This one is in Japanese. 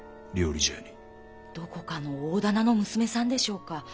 どこかの大店の娘さんでしょうか。